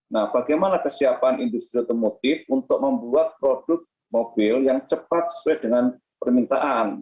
nah bagaimana kesiapan industri otomotif untuk membuat produk mobil yang cepat sesuai dengan permintaan